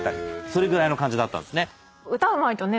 それぐらいの感じだったんですね。